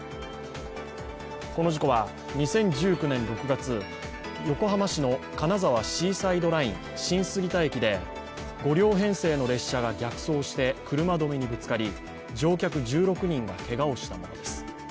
この事故は２０１９年６月、横浜市の金沢シーサイドライン新杉田駅で５両編成の列車が逆走して車止めにぶつかり乗客１６人がけがをしたものです。